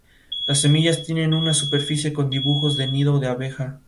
Las andas son la estructura que permite cargar la imagen venerada en procesión.